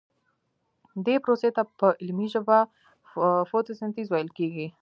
دې پروسې ته په علمي ژبه فتوسنتیز ویل کیږي